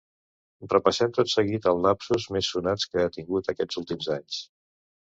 Repassem tot seguit els lapsus més sonats que ha tingut aquests últims anys.